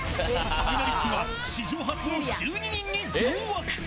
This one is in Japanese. ファイナリストは史上初の１２人に増枠。